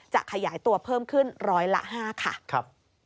จะขยายตัวเพิ่มขึ้นร้อยละ๕ค่ะ